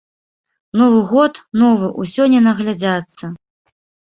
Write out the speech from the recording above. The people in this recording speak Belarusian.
Новы год, новы, ўсё не наглядзяцца.